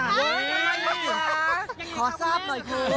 คุณหญิงหายอาพขอทราบหน่อยครับ